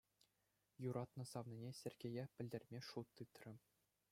Юратнӑ савнине, Сергее, пӗлтерме шут тытрӗ.